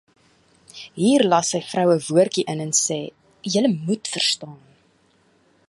Hier las sy vrou ’n woordjie in en sê: “Julle moet verstaan".